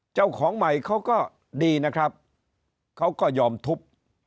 เจ้าของใหม่เขาก็ดีนะครับเขาก็ยอมทุบ